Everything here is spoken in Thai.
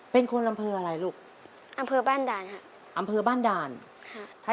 เป็นคนอำเภออะไรลูกอำเภอบ้านด่านค่ะอำเภอบ้านด่านค่ะ